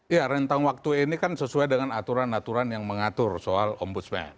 ya rentang waktu ini kan sesuai dengan aturan aturan yang mengatur soal ombudsman